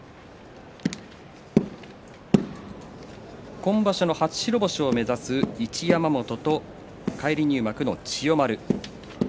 今場所、初白星を目指す一山本と返り入幕の千代丸。